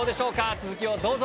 続きをどうぞ。